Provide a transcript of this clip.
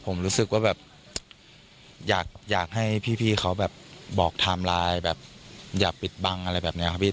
ผมรู้สึกว่าแบบอยากให้พี่เขาแบบบอกไทม์ไลน์แบบอย่าปิดบังอะไรแบบนี้ครับพี่